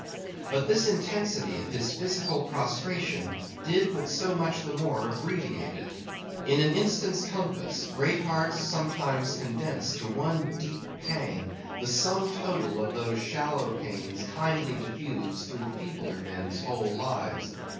But this intensity of his physical prostration did but so much the more abbreviate it. In an instant's compass, great hearts sometimes condense to one deep pang, the sum total of those shallow pains kindly diffused through feebler men's whole lives.